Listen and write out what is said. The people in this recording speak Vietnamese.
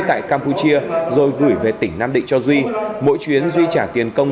tại campuchia rồi gửi về tỉnh nam định cho duy mỗi chuyến duy trả tiền công